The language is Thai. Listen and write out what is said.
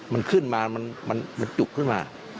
มันขึ้นมามันจุกขึ้นมา